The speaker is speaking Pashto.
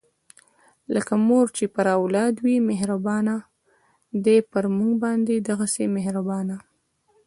لکه مور چې پر اولاد وي مهربانه، دی پر مونږ باندې دغهسې مهربانه